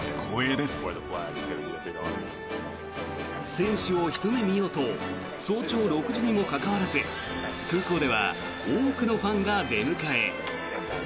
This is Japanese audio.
選手をひと目見ようと早朝６時にもかかわらず空港では多くのファンが出迎え。